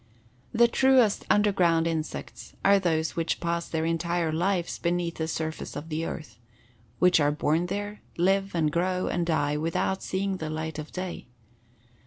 The truest underground insects are those which pass their entire lives beneath the surface of the earth; which are born there, live and grow and die without seeing the light of day.